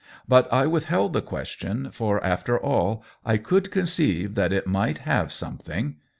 but I withheld the question, for, after all, I could conceive that it might have something.